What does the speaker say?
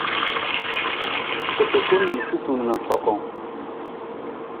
Kutukun niisutu na fakang.